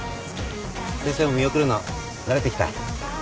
先生も見送るの慣れてきた？